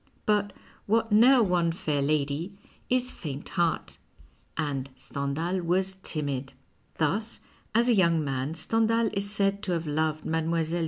but what neer won fair lady is faint heart, and Stendhal was timid. Thus, as a young man Stendhal is said to have loved Mile.